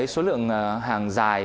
số lượng hàng dài